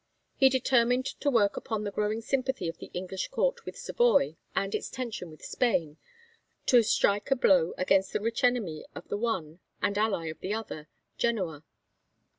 He determined to work upon the growing sympathy of the English Court with Savoy and its tension with Spain, to strike a blow against the rich enemy of the one and ally of the other, Genoa.